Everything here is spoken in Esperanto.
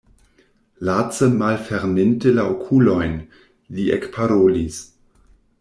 Lace malferminte la okulojn, li ekparolis: